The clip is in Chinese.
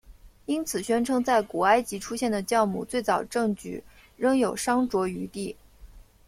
因此宣称在古埃及出现的酵母最早证据仍有商酌余地。